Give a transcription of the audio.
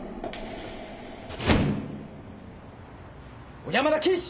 小山田警視！